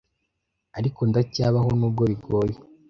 ariko ndacyabaho nubwo bigoye